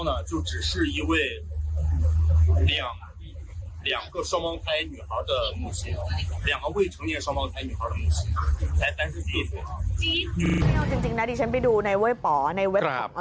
น่ะเอาจริงนั้นนี่ฉันไปดูในเว้ยบเนยเว็บครับ